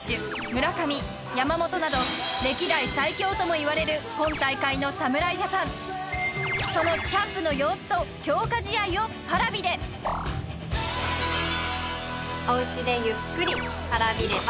村上山本など歴代最強ともいわれる今大会の侍ジャパンそのキャンプの様子と強化試合をＰａｒａｖｉでおうちでゆっくりＰａｒａｖｉれば？